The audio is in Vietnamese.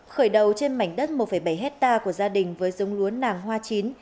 khởi đầu trên mảnh đất một bảy hectare của gia đình với giống lúa nàng hoa chín